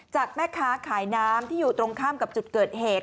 จากแม่ค้าขายน้ำที่อยู่ตรงข้ามกับจุดเกิดเหตุ